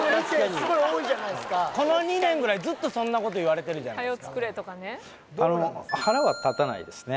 すごい多いじゃないっすかこの２年ぐらいずっとそんなこと言われてるじゃないっすか腹は立たないですね